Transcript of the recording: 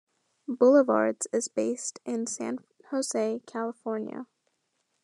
Boulevards is based in San Jose, California.